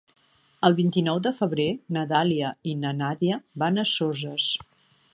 El vint-i-nou de febrer na Dàlia i na Nàdia van a Soses.